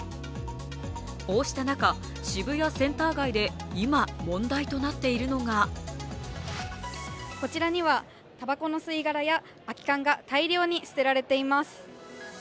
こうした中、渋谷センター街で今、問題となっているのがこちらにはたばこの吸い殻や空き缶か大量に捨てられています。